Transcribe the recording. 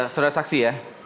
sebelum saksi ya